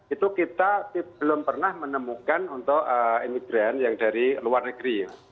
itu kita belum pernah menemukan untuk imigran yang dari luar negeri